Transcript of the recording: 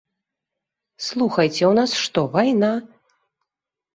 Слухайце, у нас што, вайна?